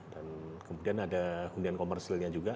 dan kemudian ada hunian komersilnya juga